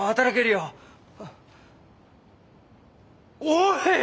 おい！